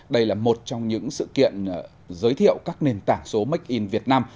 đây là một trong những sự kiện giới thiệu các nền tảng số make in việt nam